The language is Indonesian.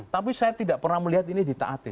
tapi saya tidak pernah melihat ini ditaati